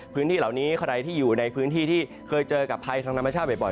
พื้นที่เหล่านี้ใครที่อยู่ในพื้นที่ที่เคยเจอกับภัยทางธรรมชาติบ่อย